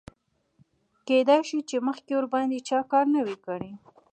کیدای شي چې مخکې ورباندې چا کار نه وي کړی.